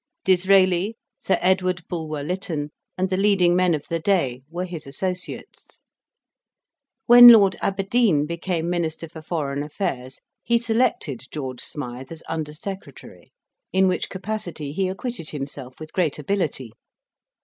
Disraeli, Sir Edward Bulwer Lytton, and the leading men of the day, were his associates. When Lord Aberdeen became Minister for Foreign Affairs he selected George Smythe as under secretary; in which capacity he acquitted himself with great ability.